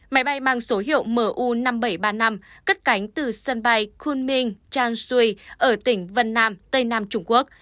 máy bay mang số hiệu mu năm nghìn bảy trăm ba mươi năm cất cánh từ sân bay kunming changshui ở tỉnh vân nam tây nam trung quốc